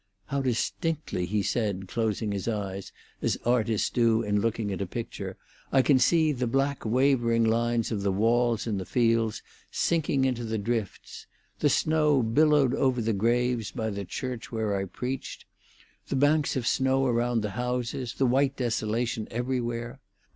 "How distinctly," he said, closing his eyes, as artists do in looking at a picture, "I can see the black wavering lines of the walls in the fields sinking into the drifts! the snow billowed over the graves by the church where I preached! the banks of snow around the houses! the white desolation everywhere!